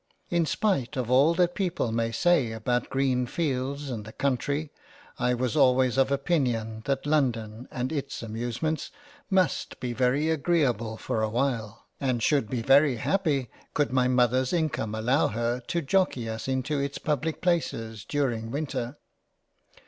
In spite of all that people may say about Green fields and the Country I was always of opinion that London and its amuse ments must be very agreable for a while, and should be very happy could my Mother's income allow her to jockey us into its Public places, during Winter.